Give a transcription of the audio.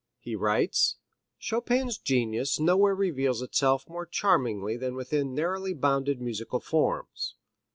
He writes: Chopin's genius nowhere reveals itself more charmingly than within narrowly bounded musical forms.